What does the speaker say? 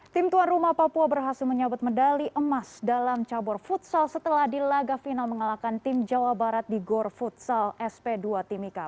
tim tuan rumah papua berhasil menyebut medali emas dalam cabur futsal setelah di laga final mengalahkan tim jawa barat di gor futsal sp dua timika